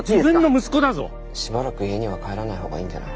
しばらく家には帰らない方がいいんじゃない？